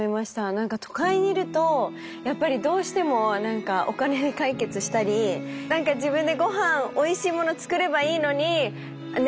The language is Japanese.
何か都会にいるとやっぱりどうしても何かお金で解決したり何か自分でご飯おいしいもの作ればいいのにね